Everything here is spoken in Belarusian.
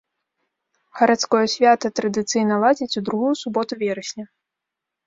Гарадское свята традыцыйна ладзяць у другую суботу верасня.